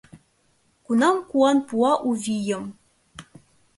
Кунам куан пуа у вийым